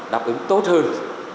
đáp ứng tốt hơn